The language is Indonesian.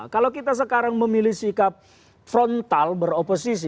kalau kita sekarang memilih sikap frontal beroposisi